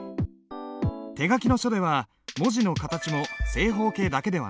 手書きの書では文字の形も正方形だけではない。